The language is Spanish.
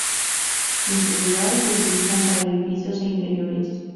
En su lugar, se utilizan para edificios e interiores.